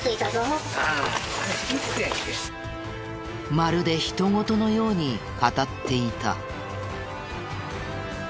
まるで人ごとのように語っていた。